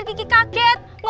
ngomong dulu kan baru noel